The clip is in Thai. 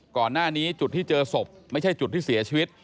ก่อนหน้านี้จุดที่เจอศพไม่ใช่จุดที่เสียชีวิต